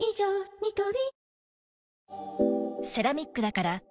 ニトリ”